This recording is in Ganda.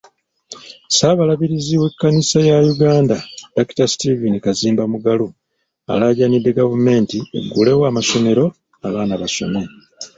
Ssaabalabirizi w’ekkanisa ya Uganda Dr.Steven Kazimba Mugalu, alaajanidde gavumenti eggulewo amasomero abaana basome.